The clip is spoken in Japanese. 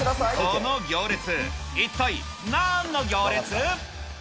この行列、一体、なんの行列？